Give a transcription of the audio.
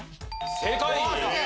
正解。